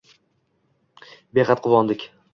Behad quvondik